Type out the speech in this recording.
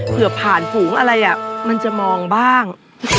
ผ่านฝูงอะไรมันจะมองบ้าง